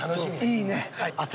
いいね。